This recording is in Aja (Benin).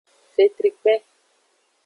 Fetrikpe.